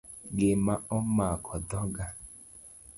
Gima omako dhoga